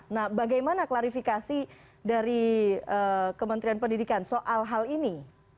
nah bagaimana klarifikasi dari kementerian pendidikan soal hal ini